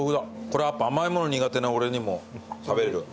これ甘いもの苦手な俺にも食べれる。